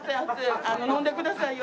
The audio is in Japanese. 飲んでくださいよ。